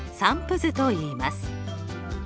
図といいます。